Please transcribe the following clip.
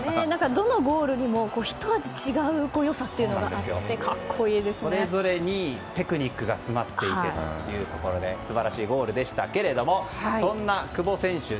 どのゴールにもひと味違う良さがあってそれぞれにテクニックが詰まっていてというところで素晴らしいゴールでしたけどもそんな久保選手